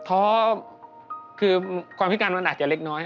เพราะคือความพิการมันอาจจะเล็กน้อย